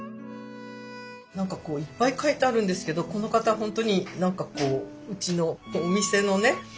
何かこういっぱい書いてあるんですけどこの方本当に何かうちのお店のね